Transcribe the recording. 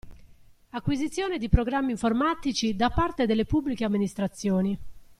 Acquisizione di programmi informatici da parte delle Pubbliche Amministrazioni.